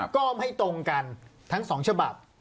ก้อมให้ตรงกันทั้งสองฉบับ